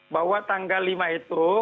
bahwa tanggal lima itu